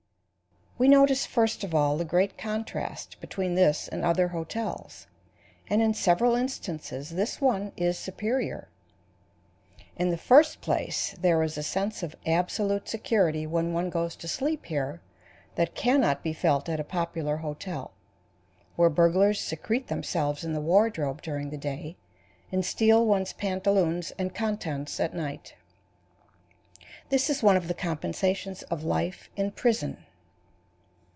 We notice first of all the great contrast between this and other hotels, and in several instances this one is superior. In the first place, there is a sense of absolute security when one goes to sleep here that can not be felt at a popular hotel, where burglars secrete themselves in the wardrobe during the day and steal one's pantaloons and contents at night. This is one of the compensations of life in prison.